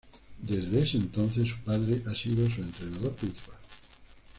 Desde ese entonces, su padre ha sido su entrenador principal.